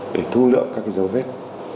để thu lượng các dấu vết